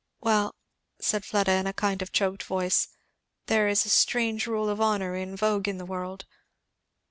"Well!" said Fleda in a kind of choked voice, "there is a strange rule of honour in vogue in the world!"